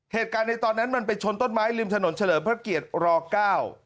เหตุการณ์ในตอนนั้นมันเป็นชนต้นไม้ลิมถนนเฉลศพรรภเกียร์รอก้าว